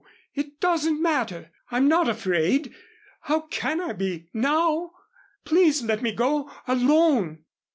It doesn't matter. I'm not afraid. How can I be now? Please let me go alone.